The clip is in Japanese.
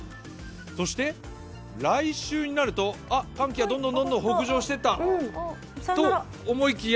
そして来週になると寒気がどんどん北上していった！と思いきや。